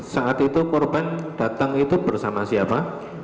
saat itu korban datang itu bersama siapa